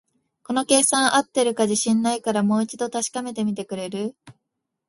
この計算、合ってるか自信ないから、もう一度確かめてみてくれる？